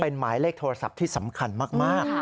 เป็นหมายเลขโทรศัพท์ที่สำคัญมาก